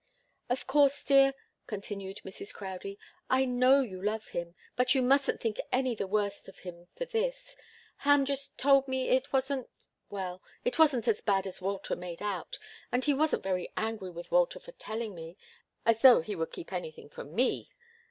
"Of course, dear," continued Mrs. Crowdie, "I know how you love him but you mustn't think any the worse of him for this. Ham just told me it wasn't well it wasn't as bad as Walter made out, and he was very angry with Walter for telling me as though he would keep anything from me!"